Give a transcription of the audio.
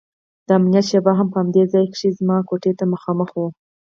د امنيت شعبه هم په همدې ځاى کښې زما کوټې ته مخامخ وه.